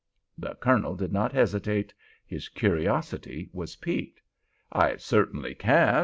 The Colonel did not hesitate; his curiosity was piqued. "I certainly can.